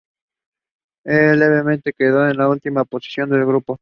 El Levante quedó en última posición del grupo.